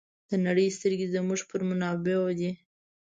د نړۍ سترګې زموږ پر منابعو دي.